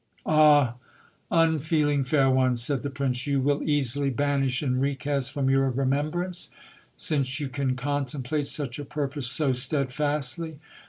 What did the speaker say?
Ah ! unfeeling fair one, said the prince, you will easily banish Enriquez from your remembrance, since you can contemplate such a purpose so steadfastly.